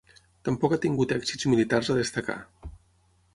Tampoc ha tingut èxits militars a destacar.